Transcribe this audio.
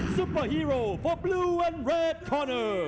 สุปเปอร์ฮีโรสำหรับบลูแลนด์และแรดคอร์เนอร์